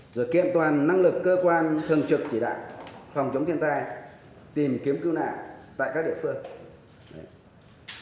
rồi kiện toàn năng lực cơ quan thường trực chỉ đạo phòng chống thiên tai tìm kiếm cứu nạn tại các địa phương